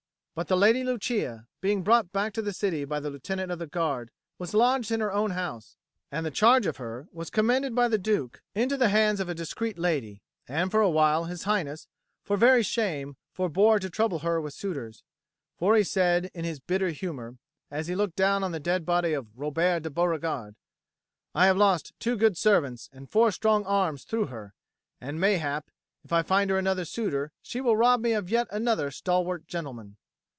But the Lady Lucia, being brought back to the city by the Lieutenant of the Guard, was lodged in her own house, and the charge of her was commended by the Duke into the hands of a discreet lady; and for a while His Highness, for very shame, forbore to trouble her with suitors. For he said, in his bitter humour, as he looked down on the dead body of Robert de Beauregard: "I have lost two good servants and four strong arms through her; and mayhap, if I find her another suitor, she will rob me of yet another stalwart gentleman."